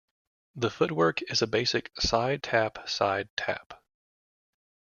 The footwork is a basic side-tap, side-tap.